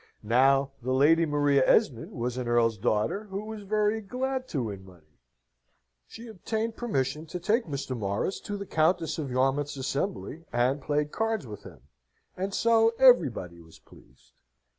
Now, the Lady Maria Esmond was an earl's daughter who was very glad to win money. She obtained permission to take Mr. Morris to the Countess of Yarmouth's assembly, and played cards with him and so everybody was pleased.